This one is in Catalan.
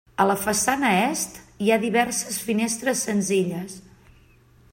A la façana est hi ha diverses finestres senzilles.